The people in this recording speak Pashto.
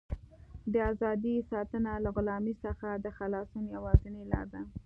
د ازادۍ ساتنه له غلامۍ څخه د خلاصون یوازینۍ لاره ده.